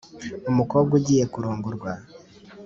umukobwa ugiye kurongorwa